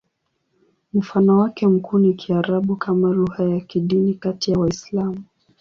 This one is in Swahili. Mfano wake mkuu ni Kiarabu kama lugha ya kidini kati ya Waislamu.